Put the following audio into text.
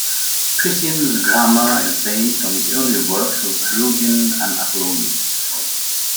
Priscian's grammar is based on the earlier works of Herodian and Apollonius.